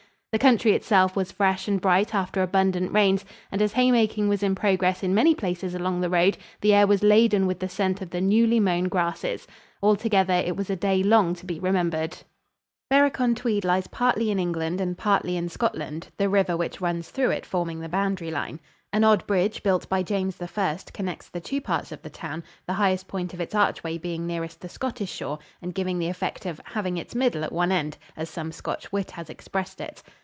The country itself was fresh and bright after abundant rains, and as haymaking was in progress in many places along the road, the air was laden with the scent of the newly mown grasses. Altogether, it was a day long to be remembered. Berwick on Tweed lies partly in England and partly in Scotland, the river which runs through it forming the boundary line. An odd bridge built by James I connects the two parts of the town, the highest point of its archway being nearest the Scottish shore and giving the effect of "having its middle at one end," as some Scotch wit has expressed it.